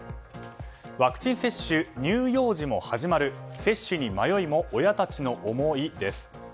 ワクチン接種、乳幼児も始まる接種に迷いも親たちの思いです。